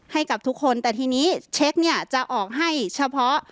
ให้กับทุกคนแต่ทีนี้เช็คเนี่ยจะออกให้เฉพาะ